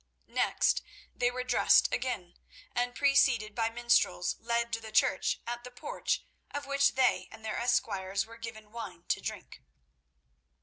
Next they were dressed again, and preceded by minstrels, led to the church, at the porch of which they and their esquires were given wine to drink.